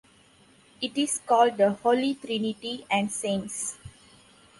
It is called the Holy Trinity and Saints.